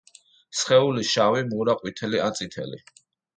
სხეული შავი, მურა, ყვითელი ან წითელი.